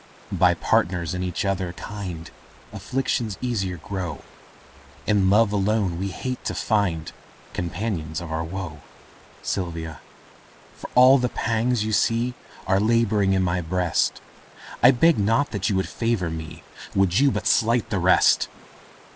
By partners in each other kind Afflictions easier grow; In love alone we hate to find Companions of our woe. Sylvia, for all the pangs you see Are labouring in my breast, I beg not you would favour me, Would you but slight the rest!